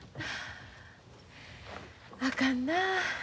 あかんな。